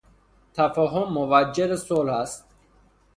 تفاهم موجد صلح است.